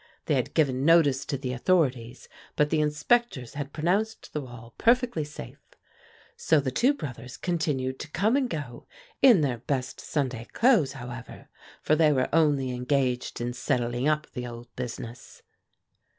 They had given notice to the authorities; but the inspectors had pronounced the wall perfectly safe. So the two brothers continued to come and go, in their best Sunday clothes, however, for they were only engaged in settling up the old business.